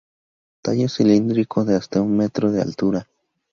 Tallo cilíndrico de hasta un metro de altura.